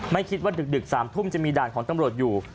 ไม่คิดว่าดึก๓ทุ่มจะมีด่านของตำรวจอยู่